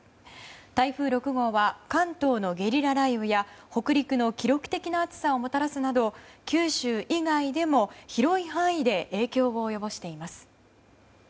台風６号は関東のゲリラ雷雨や北陸の記録的な暑さをもたらすなど九州以外でも広い範囲で影響を及ぼしています。